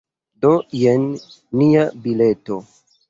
Do, jen nia bileto.